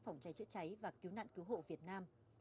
phòng cháy chữa cháy và cứu nạn cứu hộ việt nam